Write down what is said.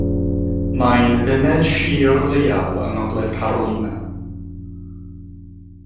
Mae'n bumed sir leiaf yng Ngogledd Carolina.